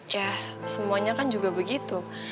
ya semuanya kan juga begitu